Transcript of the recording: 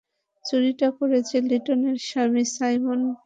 চুরিটা করেছে লিনেটের স্বামী সাইমন ডয়েল।